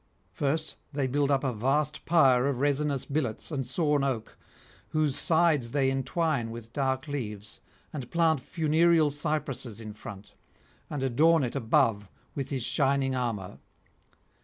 First they build up a vast pyre of resinous billets and sawn oak, whose sides they entwine with dark leaves and plant funereal cypresses in front, and adorn it above with his shining armour.